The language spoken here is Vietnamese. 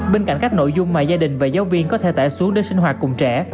bên cạnh các nội dung mà gia đình và giáo viên có thể tải xuống để sinh hoạt cùng trẻ